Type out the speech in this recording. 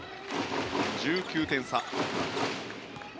１９点差。